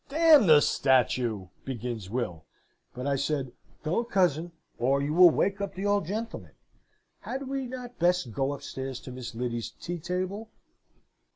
"'D the statue!' begins Will; but I said, 'Don't, cousin! or you will wake up the old gentleman. Had we not best go upstairs to Miss Lyddy's tea table?'